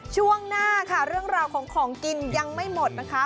ช่วงหน้าค่ะเรื่องราวของของกินยังไม่หมดนะคะ